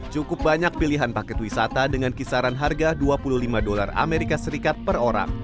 cukup banyak pilihan paket wisata dengan kisaran harga dua puluh lima dolar as per orang